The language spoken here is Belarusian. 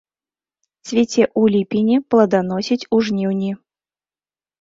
Цвіце ў ліпені, пладаносіць у жніўні.